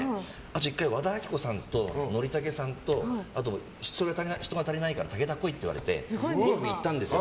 １回、和田アキ子さんと憲武さんと、人が足りないから武田来いって言われて行ったんですよ。